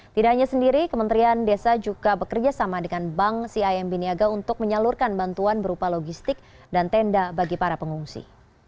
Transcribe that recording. tidak hanya sendiri kementerian desa juga bekerja sama dengan bank cimb niaga untuk menyalurkan bantuan berupa logistik dan tenda bagi para pengungsi